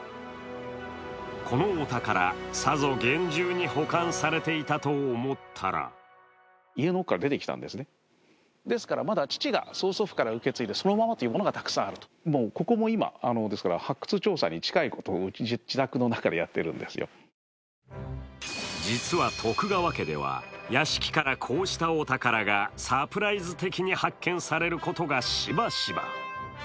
このお宝、さぞ厳重に保管されていたと思ったら実は徳川家では屋敷からこうしたお宝がサプライズ的に発見されることがしばしば。